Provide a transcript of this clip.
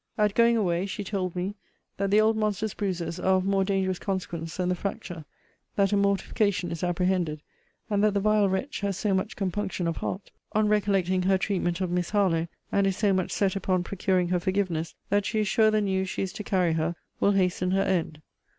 At going away, she told me, that the old monster's bruises are of more dangerous consequence than the fracture; that a mortification is apprehended, and that the vile wretch has so much compunction of heart, on recollecting her treatment of Miss Harlowe, and is so much set upon procuring her forgiveness, that she is sure the news she is to carry her will hasten her end.